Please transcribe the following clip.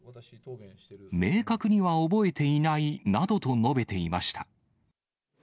明確には覚えていないなどと述べていました。